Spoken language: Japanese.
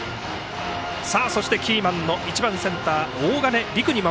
そしてキーマンの１番センター、大金莉久です。